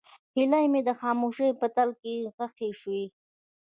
هیلې مې د خاموشۍ په تل کې ښخې شوې.